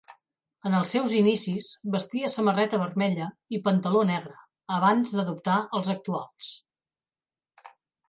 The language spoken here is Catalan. En els seus inicis vestia samarreta vermella i pantaló negre, abans d'adoptar els actuals.